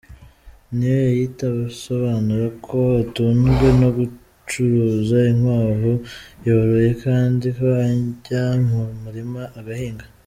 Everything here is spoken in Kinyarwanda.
Niyoyita asobanura ko atunzwe no gucuruza inkwavu yoroye kandi ko ajya mu murima agahinga.